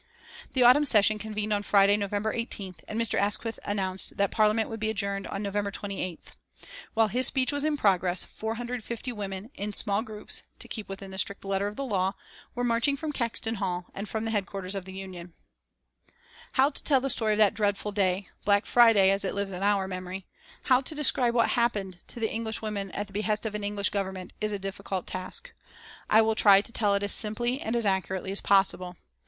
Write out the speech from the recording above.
The autumn session convened on Friday, November 18th, and Mr. Asquith announced that Parliament would be adjourned on November 28th. While his speech was in progress, 450 women, in small groups, to keep within the strict letter of the law, were marching from Caxton Hall and from the headquarters of the Union. [Illustration: THE HEAD OF THE DEPUTATION ON BLACK FRIDAY November, 1910] How to tell the story of that dreadful day, Black Friday, as it lives in our memory how to describe what happened to English women at the behest of an English Government, is a difficult task. I will try to tell it as simply and as accurately as possible.